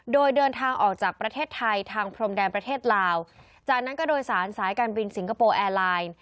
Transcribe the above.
โดยเดินทางออกจากประเทศไทยทางพรมแดนประเทศลาวจากนั้นก็โดยสารสายการบินสิงคโปร์แอร์ไลน์